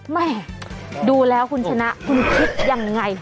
แม่ดูแล้วคุณชนะคุณคิดยังไง